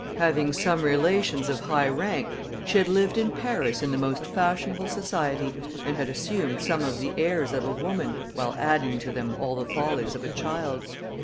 Having some relations of high rank, she had lived in Paris in the most fashionable society, and had assumed some of the airs of a woman, while adding to them all the follies of a child.